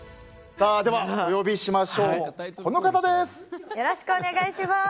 ではお呼びしましょうこの方です。